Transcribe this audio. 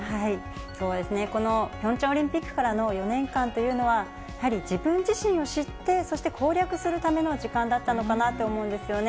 そうですね、このピョンチャンオリンピックからの４年間というのは、やはり自分自身を知って、そして攻略するための時間だったのかなって思うんですよね。